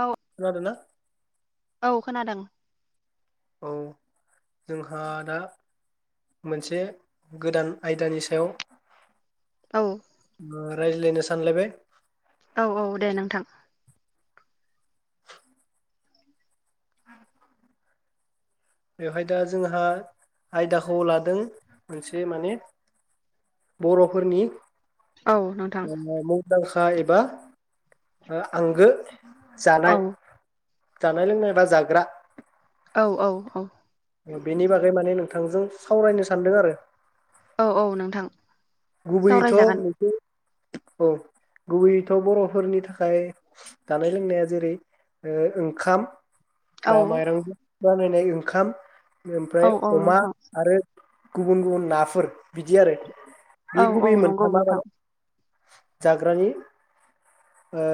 औ खोनादोंना? औ खोनादों। औ जोंहा दा मोनसे गोदान आयदानि सायाव। औ [unintelligible] लायनो सानलायबाय। औ औ दे नोंथां। बेवहाय दा जोंहा आयदाखौ लादों मोनसे माने बरफोरनि औ नोंथां। दंखा एबा आंगो औ जानाय। जानायलोंनायबा जाग्रा। औ औ औ। अ बेनि बागै माने नोंथांजों सावरायनो सानदों आरो। औ औ नोंथां। गुबैयैथ' [unintelligible] सावरायजागोन औ गुबैयैथ' बर'फोरनि थाखाय जानाय लोंनाया जेरै ओ ओंखाम। औ दा माइरं जों [unintelligible] [unintelligible] ओंखाम औ ओमफ्राय औ अमा नोंथां आरो गुबुन गुबुन नाफोर बिदि आरो। बे औ औ गुबै नंगौ मोनथामआ नोंथां माने जाग्रानि ओ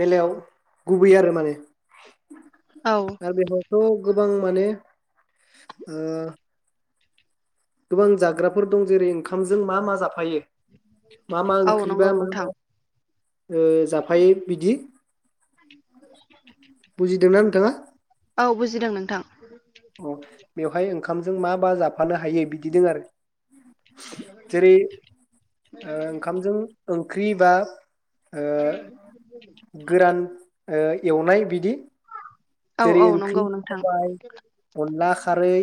बेलायाव गुबै आरो माने। औ आरो बेहायथ' गोबां माने ओ गोबां जाग्राफोर दं जेरै ओंखामजों मा मा जाफायो? मा मा औ नंगौ ओंख्रिबा नोंथां ओ जाफायो बिदि [inaudible] दोना नोंथाङा? औ बुजिदों नोंथां अ बेवहाय ओंखामजों मा मा जाब जाफानो हायो बिदि दं आरो जेरै ओ ओंखामजों ख्रि बा ओ गोरान ओ एवनाय बिदि औ जेरै औ ओंख्रि नंगौ नोंथां सबाय अनला खार रै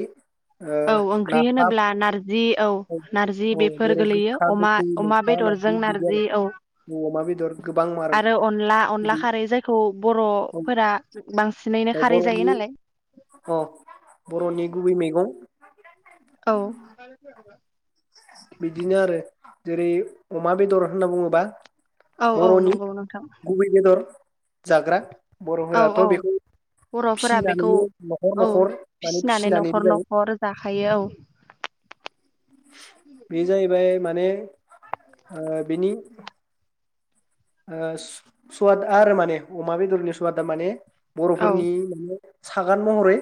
औ ओंख्रि होनोब्ला नारज जि औ नारजि औ बेफोर जेरै गोलैयो गोखा अमा गोखै अमा मैथा बेदरजों बिदि नारजि आरो औ औ अमा बेदर गोबां आरो अनला अनला बिदि खारै जायखौ औ बर'फोरा बांसिनैनो खारै जायो बर'नि नालाय। अ बर'नि गुबै [inaudible] औ। बिदिनो आरो जेरै अमा बेदर होनना बुङोबा औ औ बर'नि नंगौ नोंथां गुबै बेदर। जाग्रा। औ बर'फोराथ' औ बेखौ बर'फोरा बेखौ फिसिनानैनो न'खर औ न'खर माने फिसिनानै फिसिनानैबो न'खर जायो न'खर जाखायो औ। बे जाहैबाय माने ओ बिनि ओ सवाद आरो माने अमा बेदरनि सवादा माने औ बर'फोरनि सागान महरै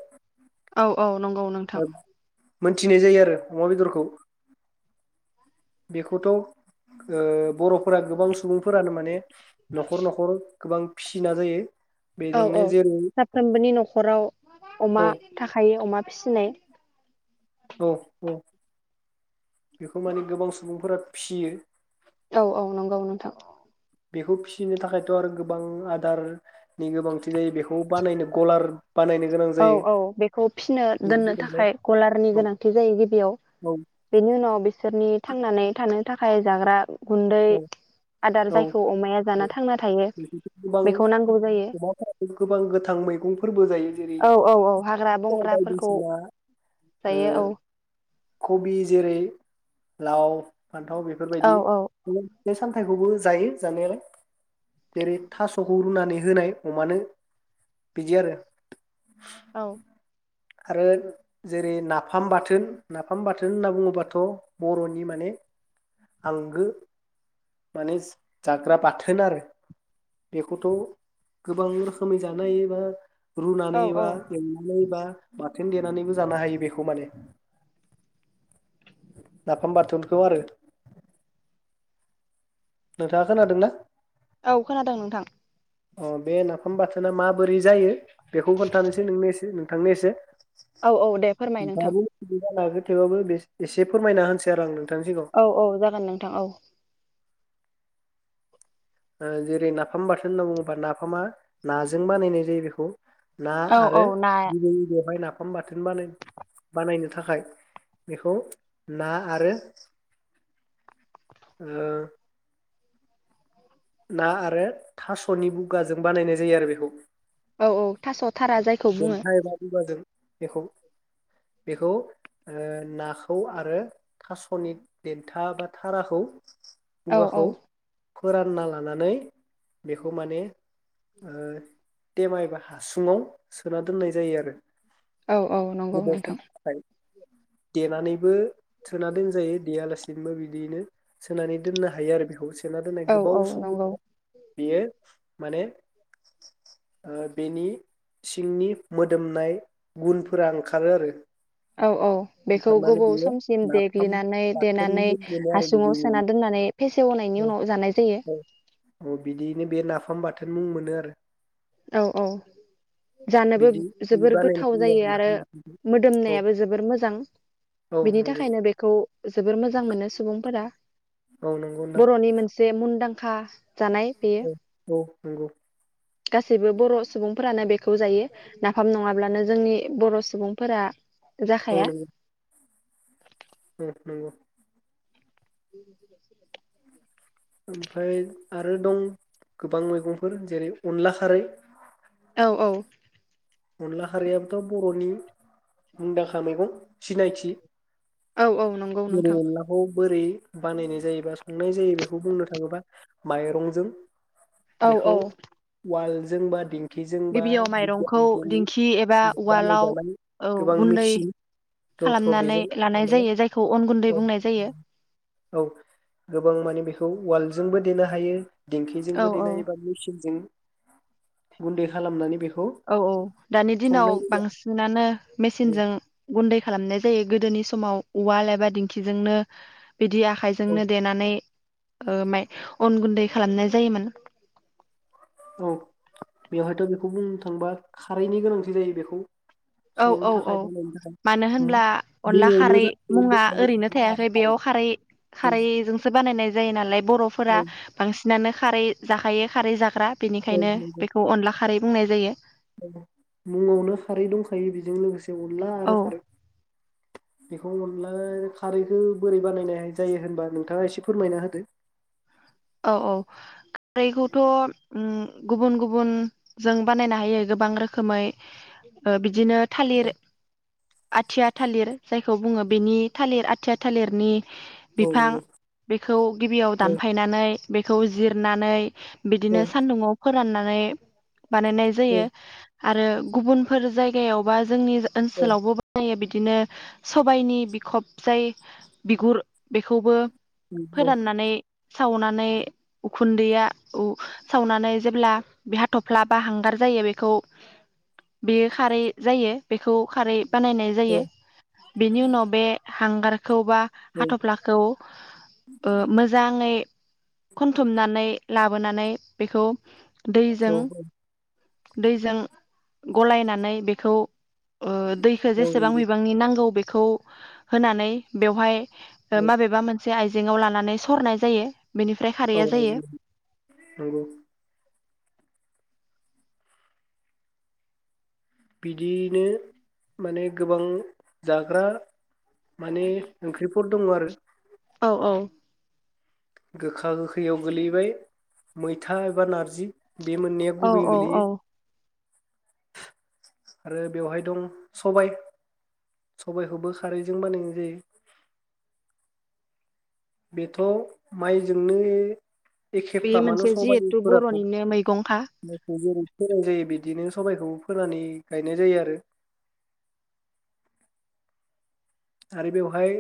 औ औ नंगौ नोंथां मोनथिनाय जायो आरो। अमा बेदरखौ बेखौथ' ओ बर'फोरा गोबां सुबुंफोरानो मान ने न'खर न'खर गोबां फिसिना जायो। औ बेजोंनो औ जेरै साफ्रोमबोनि न'खराव अमा औ थाखायो अमा फिसिनाय औ औ बेखौ माने गोबां सुबुंफोरा फियो। औ औ नंगौ नोंथां। बेखौ फिसिनो थाखायथ आरो गोबां आदारनि गोबांथि जायो बेखौ बानायनो गलार बानायनो गोनां औ जायो औ बेखौ फिसिनो बिदि दोननो माने थाखाय गलारनि औ गोनांथि जायो गिबियाव औ बेनि उनाव बिसोरनि थांनानै थानो थाखाय जाग्रा गुन्दै औ आदार औ औ जायखौ अमाया जाना थांना थायो [unintelligible] गोबां बेखौ नांगौ जायो अमाफोरो गोबां गोथां मैगंफोरबो जायो। जेरै औ औ औ हाग्रा बंग्राफोरखौ बायदिसिना ओ जायो कबि जेरै लाव फान्थाव औ बेफोरबायदि औ फिथाइ सामथाइखौबो जायो जानायालाय जेरै थासखौ रुनानै होनाय अमानो बिदि आरो औ आरो जेरै नाफाम बाथोन नाफाम बाथोन होनना बुङोबाथ बरनि माने आंगो माने जाग्रा बाथोन आरो बेखौथ गोबां रोखोमै जानो हायोबा रुनानै औ औ बा एवनानै बा बाथोन देनानैबो जानो हायो बेखौ माने नाफाम बाथोनखौ आरो। नोंथाङा खोनादोंना? औ खोनादों नोंथां। अ बे नाफाम बाथोना माबोरै जायो? बेखौ खोनथानोसै नों एसे ओं। [unintelligible] औ औ दे फोरमाय नोंथां। [unintelligible] बे एसे फोरमायना होनसै आरो आंनोंनो। औ औ जागोन नोंथां औ। जेरै नाफाम बाथोन होनना बुङोब्ला नाफामा नाजों बानायनाय जायो बेखौ। ना औ आरो औ ना गिबिबै बेवहाय ना ओंखाम बाथोन बानाय बानायनो थाखाय बेखौ ना आरो ओ ना आरो थासनि बुगाजों बानायनाय जायो आरो बेखौ औ औ थास थारा जायखौ बुङो देन्था एबा बिबारजों। बेखौ बेखौ ओ नाखौ आरो थासनि देथा बा थाराखौ औ औ। बुगाखौ फोरानना लानानै बेखौ माने ओ थेमा बा हासुङाव सोना दोननाय जायो आरो। औ औ नंगौ गोबाव नोंथां। समनि थाखाय देनानैबो सोना दोनजायो देयालासिनोबो बिदियैनो सोनानै दोननो हायो आरो बेखौ सोना दोननाय औ गोबाव औ नंगौ समनिफ्राइ बेयो माने ओ बेनि सिंनि मोदोमनाय गुनफोरा ओंखारो आरो। औ औ बेखौ ओंखारनानै गोबाव बेयो समसिम नाफाम देग्लिनानै बाथोन देनानै मोनो आरो हासुङाव बिदिनो सोना दोननानै फेसेवनायनि उनाव जानाय जायो। औ औ बिदियैनो बे नाफाम बाथोन मुं मोनो आरो। औ औ। जानोबो बिदि जोबोर गोथाव जायो आरो नाफामखौ मोदोमनायाबो जोबोर मोजां औ बिनि नंगौ थाखायनो बेखौ जोबोर मोजां मोनो सुबुंफोरा। औ नंगौ नोंथां बर'नि मोनसे मुंदांखा [unintelligible] जानाय बेयो। औ नंगौ। गासैबो बर' सुबुंफोरानो बेखौ जायो नाफाम नङाब्लानो जोंनि बर' सुबुंफोर औ जाखाया। नंगौ औ नंगौ। [unintelligible] ओमफाय आरो दं गोबां मैगंफोर जेरै अनला खारै औ औ। अनला खारियाबोथ' बर'नि मुंदांखा मैगं सिनायखि औ औ नंगौ जेरै नोंथां अनलाखौ बोरै बानायनाय जायोबा संनाय जायो बेखौ बुंनो थाङोबा माइरंजों बेखौ वाल जों बा दि गिबियाव [unintelligible] [unintelligible] माइरंखौ जोंबो दिंखि एबा उवालाव औ गुन्दै खालामनानै लानाय जायो जायखौ अन गुन्दै बुंनाय जायो देनो हायो। औ देंखिजोंबो औ देनाय एबा मेसिनजों गुन्दै खालामनानै बेखौ औ औ दानि दिनाव संनाय जायो बांसिनानो आरो। मेसिनजों गुन दै खालामनाय जायो गोदोनि समाव उवाल एबा दिंखिजोंनो बिदि औ आखाइजोंनो देनानै ओ माइ अन गुन्दै खालामनाय जायोमोन। औ बेवहायथ' बेखौ बुंनो थांबा खारैनि गोनांथि जायो बेखौ औ संनो औ थाखाय औ बानायनो मानो थाखाय होनब्ला अनला मुङावनो खारै मुङा ओरैनो थायाखै बेयाव खारै खारैजोंसो बानायनाय जायो नालेब बर'फोरा बांसिनानो खारै जाखायो खारै जाग्रा बेनिखायनो बेखौ अनला खा खारै बुंनाय जायो। ङ मुङावनो खारै दंखायो बेजों लोगोसे बे अनला औ आरो खारै बेखौ अनला खारैखो बोरै बानायनाय जायो होनबा नोंथाङा एसे फोरमायना होदो? औ औ दैखौथ' उम गुबुन गुबुन जों बानायनो हायो गोबां रोखोमै ओ बिदिनो थालिर आथिया थालिर जायखौ बुङो बिनि थालिर आथिया थालिरनि औ बिफां नंगौ बेखौ गिबियाव औ दानफायनानै बेखौ जिरनानै औ बिदिनो सानदुंआव फोराननानै बानायनाय औ जायो। आरो गुबुनफोर जायगायावबा जोंनि जा औ ओनसोलावबो बानायो बिद दिनो सबायनि बिखब जाय बिगुर बेखौबो बिदियैनो फोराननानै सावनान नै उखुन्दैया उ सावनानै जेब्ला बे हाथफ्ला बा हांगार जायो बेखौ बेयो खारै जायो बेखौ खारै बानायनाय जायो बेनि उनाव बे हांगार खौ बा हाथफ्लाखौ ओ मोजाङै खनथुमनानै लाबोनानै बेखौ दैजों दैजों गलायनानै बेखौ ओ दैखो जेसेबां बिबांनि नांगौ बे खौ होनानै बेवहाय ओ माबेबा मोनसे आयज जेङाव लानानै सरनाय जायो। बेनिफ्राय खारैया जायो। बिदियैनो माने गोबां जाग्रा माने ओंख्रि फोर दङ आरो। औ औ। गोखा गोखैयाव गोलैबाय मैथा एबा नारजि। बे मोननैआ औ गुबैयै औ औ गोलैयो । आरो बेवहाय दं सबाय सबायखौबो खारैजों बानायनाय जायो। बेथ' माइ जोंनो बे एखेफ्रामानो मोनसे जिहेथु सबायफोराथ' बर'निनो मैगंखा माइखौ जेरै फोनाय जायो बिदिनो सबायखौ फोनानै गायनाय जायो आरो। आरो बेवहाय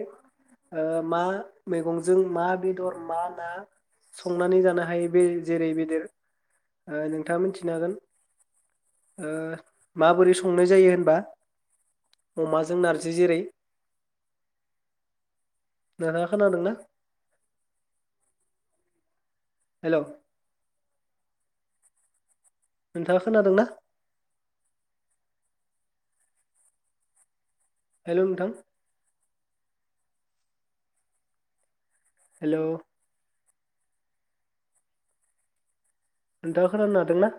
ओ मा मेगंजों मा बेदर मा ना संनानै जानो हायो। बे जेरै बेदेर ओ नोंथाङा मिथिनो हागोन। ओ माबोरै संनाय जायो होनबा अमाजों नारजि जेरै जानाया खोनादोंना? हेल' नोंथाङा खोनादोंना? हेल' नोंथां। हेल' नोंथाङा खोना हादोंना?